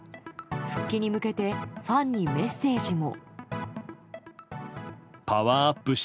復帰に向けてファンにメッセージも。